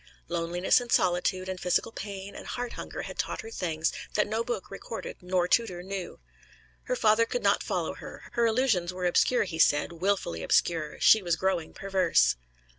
Loneliness and solitude and physical pain and heart hunger had taught her things that no book recorded nor tutor knew. Her father could not follow her; her allusions were obscure, he said, wilfully obscure; she was growing perverse.